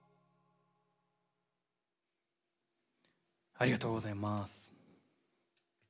ありがとうございます。